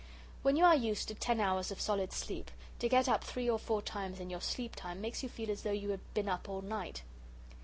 When you are used to ten hours of solid sleep, to get up three or four times in your sleep time makes you feel as though you had been up all night.